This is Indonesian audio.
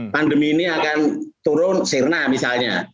pandemi ini akan turun sirna misalnya